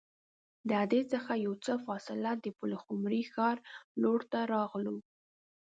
د اډې څخه یو څه فاصله د پلخمري ښار لور ته راغلو.